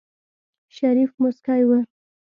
شريف موسکی و.